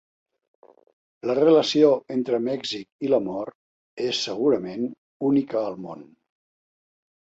La relació entre Mèxic i la mort és, segurament, única al món.